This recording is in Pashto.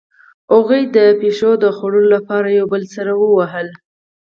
هغوی د پیشو د خوړلو لپاره یو بل سره وهل